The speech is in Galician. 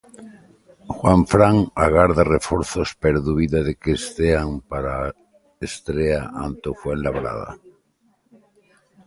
Juanfran agarda reforzos pero dubida de que estean para a estrea ante o Fuenlabrada.